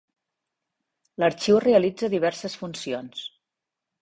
L'arxiu realitza diverses funcions.